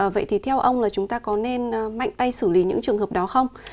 vậy thì theo ông là chúng ta có nên mạnh tay xử lý những trường hợp đó không